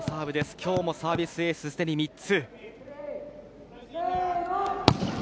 今日もサービスエースすでに３つ。